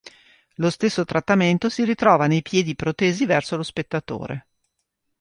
Lo stesso trattamento si ritrova nei piedi protesi verso lo spettatore.